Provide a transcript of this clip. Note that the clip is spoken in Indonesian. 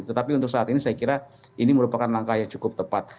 tetapi untuk saat ini saya kira ini merupakan langkah yang cukup tepat